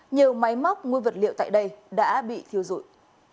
nhiều máy móc nguyên vật liệu tại đây đã bị thiêu rụi